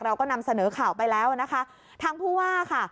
เราก็นำเสนอข่าวไปแล้วนะคะทางผู้ว่าค่ะ